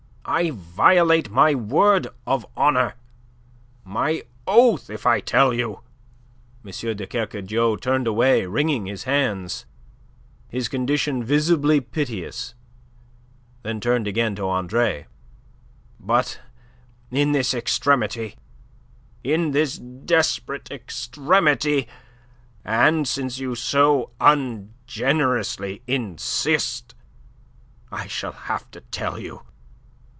"I violate my word of honour, my oath, if I tell you." M. de Kercadiou turned away, wringing his hands, his condition visibly piteous; then turned again to Andre. "But in this extremity, in this desperate extremity, and since you so ungenerously insist, I shall have to tell you.